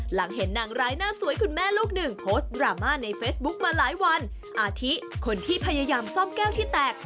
หลังเห็นนางร้ายหน้าสวยคุณแม่ลูกหนึ่งโพสต์ดราม่าในเฟซบุ๊กมาหลายวันอาทิคนที่พยายามซ่อมแก้วที่แตก